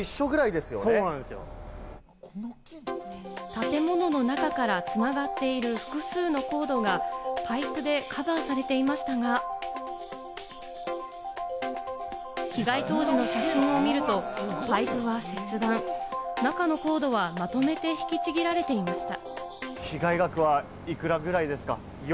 建物の中から繋がっている複数のコードがパイプでカバーされていましたが、被害当時の写真を見ると、パイプは切断、中のコードはまとめて引きちぎられていました。